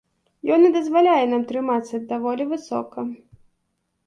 Ён і дазваляе нам трымацца даволі высока.